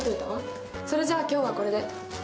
それじゃあ今日はこれで。